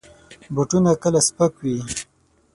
بوټونه کله سپک وي.